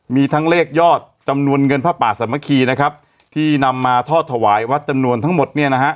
มีทั้งเลขยอดจำนวนเงินพระป่าสามัคคีนะครับที่นำมาทอดถวายวัดจำนวนทั้งหมดเนี่ยนะฮะ